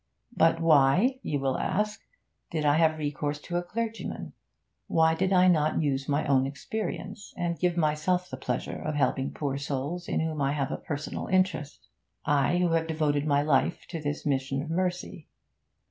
'But why, you will ask, did I have recourse to a clergyman. Why did I not use my own experience, and give myself the pleasure of helping poor souls in whom I have a personal interest I who have devoted my life to this mission of mercy?